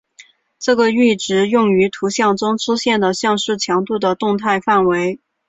这个阈值用于图像中出现的像素强度的动态范围。